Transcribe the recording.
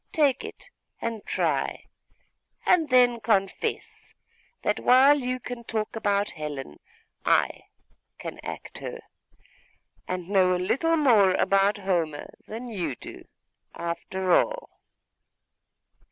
Take it and try; and then confess, that while you can talk about Helen, I can act her; and know a little more about Homer than you do, after all.